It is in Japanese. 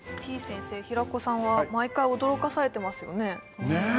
先生平子さんは毎回驚かされてますよねね